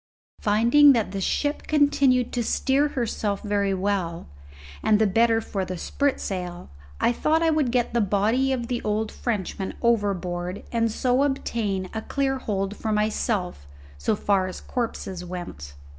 Finding that the ship continued to steer herself very well, and the better for the spritsail, I thought I would get the body of the old Frenchman overboard and so obtain a clear hold for myself so far as corpses went.